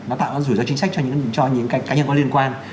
nó tạo ra rủi ro chính sách cho những cái cá nhân có liên quan